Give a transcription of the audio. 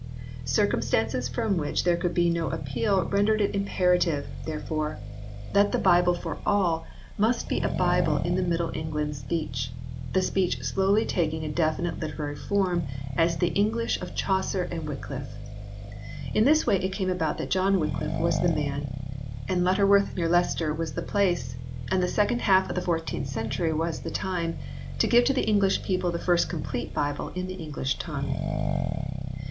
Circumstances from which there could be no appeal rendered it imperative, therefore, that the Bible for B. 2 18 HISTORY OF THE ENGLISH BIBLE [CH. all must be a Bible in the Middle England speech, the speech slowly taking definite literary form as the English of Chaucer and Wycliffe. In this way it came about that John Wycliffe was the man, and Lutter worth near Leicester was the place, and the second half of the fourteenth century was the time, to give to the English people the first complete Bible in the English tongue.